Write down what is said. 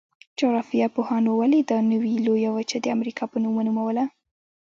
جغرافیه پوهانو ولې دا نوي لویه وچه د امریکا په نوم ونوموله؟